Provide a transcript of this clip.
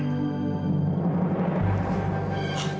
kalau keputusan ini adalah keputusan yang tepat